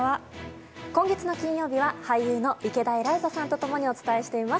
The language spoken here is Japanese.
今月の金曜日は俳優の池田エライザさんと共にお伝えしています。